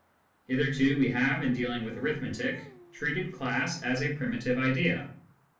Hitherto we have, in dealing with arithmetic, treated " class " as a primitive idea.